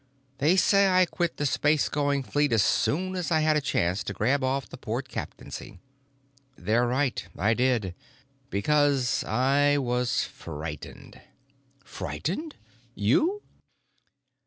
They say I quit the space going fleet as soon as I had a chance to grab off the port captaincy. They're right; I did. Because I was frightened." "Frightened? You?"